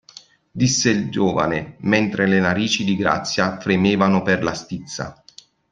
Disse il giovane, mentre le narici di Grazia fremevano per la stizza.